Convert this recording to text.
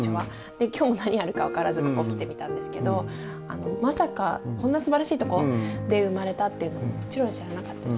で今日も何やるか分からずここ来てみたんですけどまさかこんなすばらしいとこで生まれたっていうのももちろん知らなかったし。